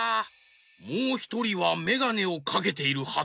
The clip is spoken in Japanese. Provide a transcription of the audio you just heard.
もうひとりはメガネをかけているはず。